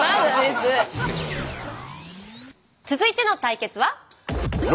続いての対決は。